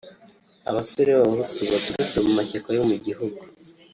abasore b’abahutu baturutse mu mashyaka yo mu gihugu